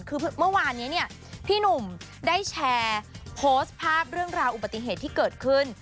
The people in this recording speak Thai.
คือเมื่อวานนี้เนี่ยพี่หนุ่มได้แชร์โพสต์ภาพเรื่องราวอุบัติเหตุที่เกิดขึ้น